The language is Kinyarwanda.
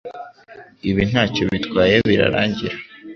Ibi ntacyo bitwaye birarangira